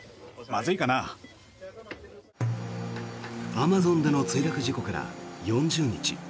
アマゾンでの墜落事故から４０日。